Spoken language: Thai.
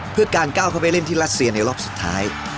เพื่อการก้าวเข้าไปเล่นที่รัสเซียในรอบสุดท้าย